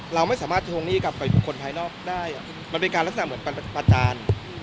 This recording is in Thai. เราไม่สามารถทวงหนี้กลับไปบุคคลภายนอกได้มันเป็นการลักษณะเหมือนประจาน